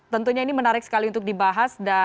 tentunya ini menarik sekali untuk dibahas